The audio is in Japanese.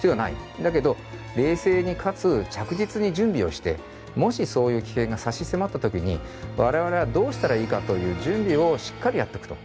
だけど冷静にかつ着実に準備をしてもしそういう危険が差し迫ったときに我々はどうしたらいいかという準備をしっかりやっておくと。